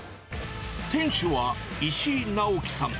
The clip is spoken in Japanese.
店主は石井直樹さん。